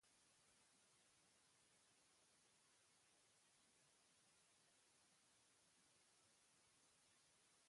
Oarsoaldean, adibidez, Eskura prozesuaren eztabaida eskualde mailan planteatu dute.